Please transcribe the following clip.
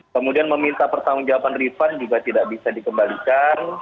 kemudian meminta pertanggung jawaban rifan juga tidak bisa dikembalikan